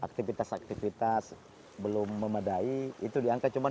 aktivitas aktivitas belum memadai itu di angka cuma dua belas